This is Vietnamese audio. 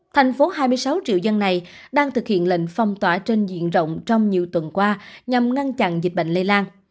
thành phố hai mươi sáu triệu dân này đang thực hiện lệnh phong tỏa trên diện rộng trong nhiều tuần qua nhằm ngăn chặn dịch bệnh lây lan